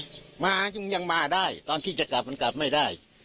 เอ้ยมันยังได้ณที่จะจะกลับก็ไม่ได้